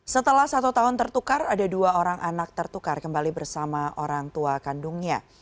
setelah satu tahun tertukar ada dua orang anak tertukar kembali bersama orang tua kandungnya